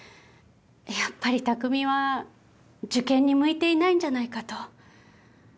やっぱり匠は受験に向いていないんじゃないかと。